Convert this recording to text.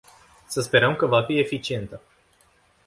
Să sperăm că va fi eficientă.